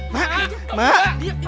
ma bangun mak